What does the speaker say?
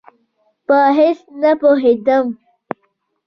په هېڅ نه پوهېدم.